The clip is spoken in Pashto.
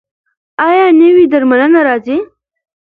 ایا نوې درملنه راځي؟